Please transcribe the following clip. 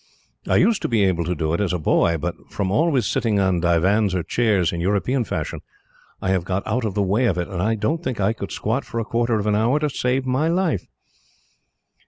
I used to be able to do it, as a boy, but from always sitting on divans or chairs in European fashion, I have got out of the way of it, and I don't think I could squat for a quarter of an hour, to save my life."